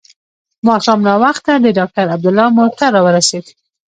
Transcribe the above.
ماښام ناوخته د ډاکټر عبدالله موټر راورسېد.